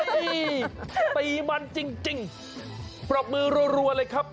นี่ตีมันจริงปรบมือรัวเลยครับ